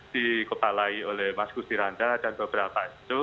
dikepalai oleh mas gustiranda dan beberapa itu